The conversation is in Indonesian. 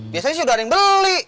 biasanya sih udah ada yang beli